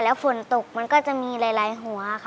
ฝนตกมันก็จะมีหลายหัวค่ะ